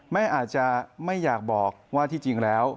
แม่อาจจะไม่อยากบอกว่าที่จริงแล้ว